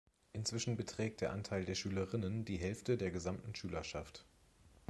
Inzwischen beträgt der Anteil der Schülerinnen die Hälfte der gesamten Schülerschaft.